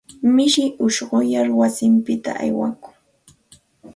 Mishi ushquyar wasinpita aywakun.